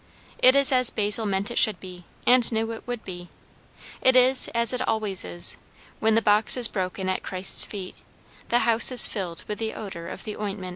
It is as Basil meant it should be, and knew it would be. It is as it always is; when the box is broken at Christ's feet, the house is filled with the odour of the ointment.